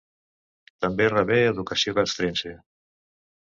També rebé educació castrense.